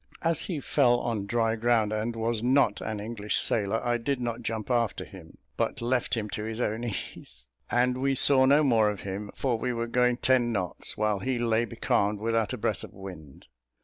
As he fell on dry ground and was not an English sailor, I did not jump after him, but left him to his own ease, and we saw no more of him, for we were going ten knots, while he lay becalmed without a breath of wind.